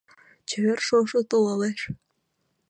Чевер шошо толалеш.